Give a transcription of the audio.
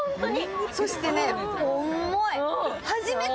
そしてね、重い。